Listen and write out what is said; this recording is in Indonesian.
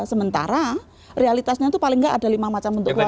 sementara realitasnya itu paling nggak ada lima macam bentuk ruangan